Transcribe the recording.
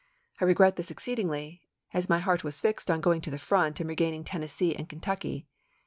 I regret this exceedingly, as my heart was fixed on going to the front and regaining Tennessee and Kentucky.